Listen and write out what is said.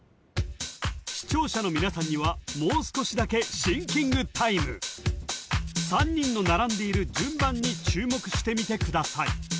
視聴者の皆さんにはもう少しだけシンキングタイム３人の並んでいる順番に注目してみてください